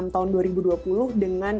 tahun dua ribu dua puluh dengan